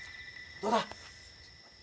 どうだ？